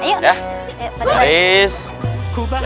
ya udah yuk semuanya pada baris ya